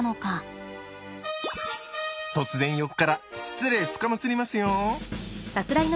突然横から失礼つかまつりますよ。